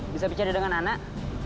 bisa bicara dengan anak